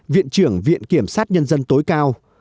viện trưởng viện kiểm sát nhân dân tối cao